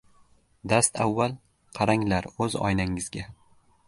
Dastavval qaranglar o‘z oynangizga!